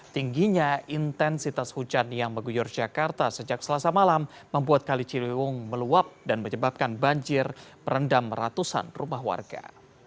tingginya intensitas hujan yang mengguyur jakarta sejak selasa malam membuat kali ciliwung meluap dan menyebabkan banjir merendam ratusan rumah warga